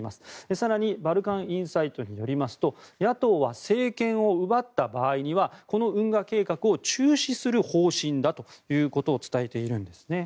更にバルカンインサイトによりますと野党は政権を奪った場合にはこの運河計画を中止する方針だということを伝えているんですね。